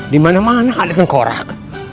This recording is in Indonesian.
dimana mana ada tengkorak